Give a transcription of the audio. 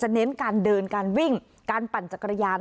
เน้นการเดินการวิ่งการปั่นจักรยาน